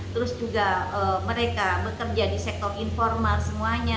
terus juga mereka bekerja di sektor informal semuanya